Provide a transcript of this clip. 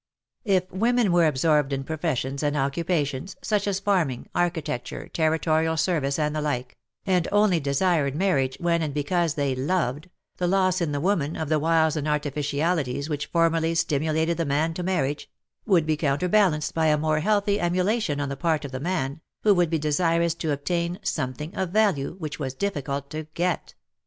If women were absorbed in professions and occupations, such as farming, architecture, terri torial service and the like, and only desired marriage when and because they loved, the loss, in the woman, of the wiles and artificialities which formerly stimulated the man to marriage, would be counterbalanced by a more healthy emulation on the part of the man, who would be desirous to obtain something of value which was difficult to get.